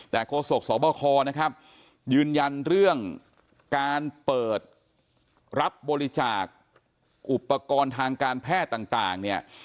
แต่โฆษกสบคนะครับยืนยันเรื่องการเปิดรับบริจาคอุปกรณ์ทางการแพทย์ต่างเนี่ย